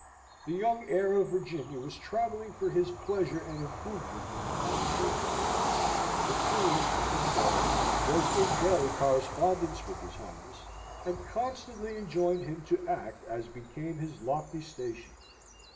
The young heir of Virginia was travelling for his pleasure and improvement in foreign kingdoms. The queen, his mother, was in daily correspondence with his Highness, and constantly enjoined him to act as became his lofty station.